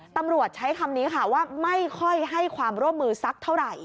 ตำรวจใช้คำนี้ค่ะว่าไม่ค่อยให้ความร่วมมือสักเท่าไหร่